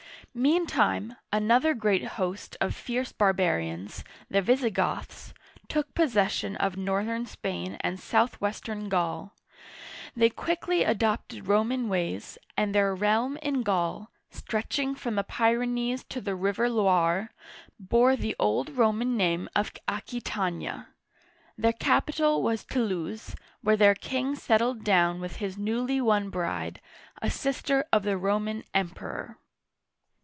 Meantime, another great host of fierce barbarians, the Vis'igoths, took possession of northern Spain and south western Gaul. They quickly adopted Roman ways, and their realm in Gaul, stretching from the Pyrenees to the river Loire (Iwar), bore the old Roman name of Aquita'nia. Their capital was Toulouse (too looz'), where their king settled down with his newly won bride, a sister of the Roman Emperor.